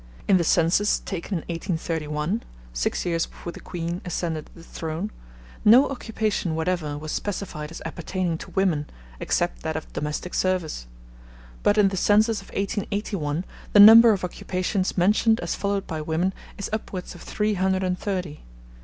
In the census taken in 1831 (six years before the Queen ascended the Throne), no occupation whatever was specified as appertaining to women, except that of domestic service; but in the census of 1881, the number of occupations mentioned as followed by women is upwards of three hundred and thirty.